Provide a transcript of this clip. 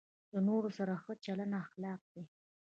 له نورو سره ښه چلند اخلاق دی.